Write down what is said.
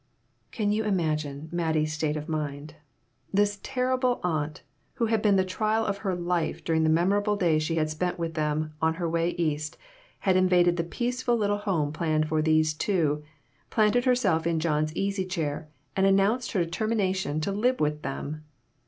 Can you imagine Mattie's state of mind ? This terrible aunt, who had been the trial of her life during the memorable days she had spent with them on her way East, had invaded the peaceful little home planned for those two, planted herself in John's easy chair, and announced her determin ation to live with them.